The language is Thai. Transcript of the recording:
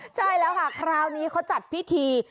ใช่ล่ะคราวนี้เค้าจัดพิธี